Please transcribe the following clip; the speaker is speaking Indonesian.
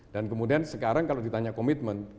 dan kemudian sekarang kalau ditanya komitmen